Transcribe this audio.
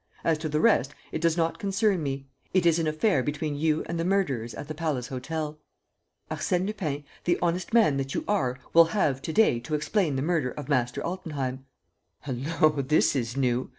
As to the rest, it does not concern me: it is an affair between you and the murderers at the Palace Hotel." "Arsène Lupin, the honest man that you are will have to day to explain the murder of Master Altenheim." "Hullo, this is new!